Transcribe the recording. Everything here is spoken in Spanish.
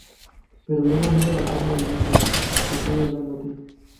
Pero luego mira la cámara y dice: "Te estoy hablando a ti.